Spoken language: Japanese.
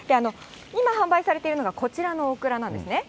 今販売されているのが、こちらのオクラなんですね。